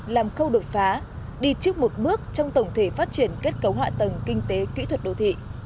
làm khâu đột phá đi trước một bước trong tổng thể phát triển kết cấu hạ tầng kinh tế kỹ thuật đô thị